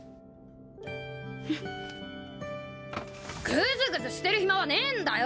グズグズしてる暇はねえんだよ！